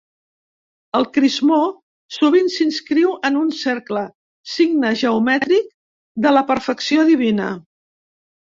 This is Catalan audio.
El crismó sovint s'inscriu en un cercle, signe geomètric de la perfecció divina.